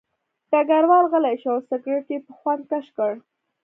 ډګروال غلی شو او سګرټ یې په خوند کش کړ